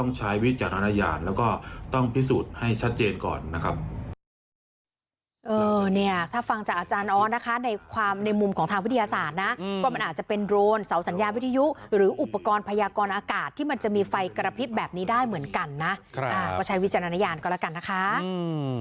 นะคะในความในมุมของทางวิทยาศาสตร์นะอืมก็มันอาจจะเป็นโดรนเสาสัญญาวิทยุหรืออุปกรณ์พยากรอากาศที่มันจะมีไฟกระพริบแบบนี้ได้เหมือนกันนะครับก็ใช้วิจารณญาณก็ละกันนะคะอืม